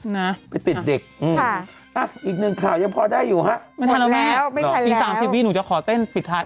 น้าไปติดเด็กอีกหนึ่งข่าวยังพอได้อยู่ฮะหมดแล้วแม่ปี๓๐นี่หนูจะขอเต้นปิดท้าย